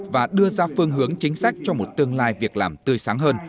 và đưa ra phương hướng chính sách cho một tương lai việc làm tươi sáng hơn